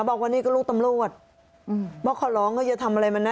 บอกว่านี่ก็ลูกตำรวจว่าขอร้องว่าอย่าทำอะไรมันนะ